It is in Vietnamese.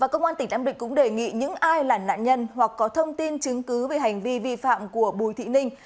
công an tỉnh nam định cũng đề nghị những ai là nạn nhân hoặc có thông tin chứng cứ về hành vi vi phạm của bùi thị ninh